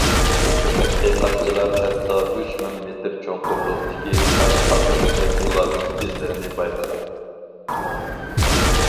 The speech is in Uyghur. تەتقىقاتچىلار ھەتتا ئۈچ مىڭ مېتىر چوڭقۇرلۇقتىكى تاش قاتلىمىدىن ئۇلارنىڭ ئىزلىرىنى بايقىغان.